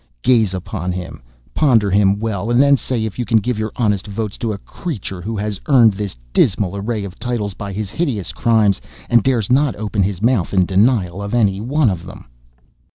Gaze upon him ponder him well and then say if you can give your honest votes to a creature who has earned this dismal array of titles by his hideous crimes, and dares not open his mouth in denial of any one of them!